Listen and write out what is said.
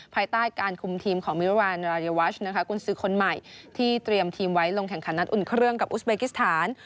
ภายใต้การคุมทีมของมิรันรายวัชนะคะกุญสือคนใหม่ที่เตรียมทีมไว้ลงแข่งขันนัดอุ่นเครื่องกับอุสเบกิสถาน